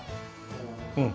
うん。